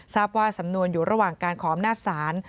ทราบว่าสำนวนอยู่ระหว่างการขออำนาจศาล